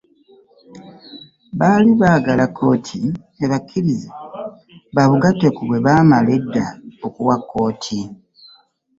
Baali baagala kkooti ebakkirize babugatte ku bwe baamala edda okuwa kkooti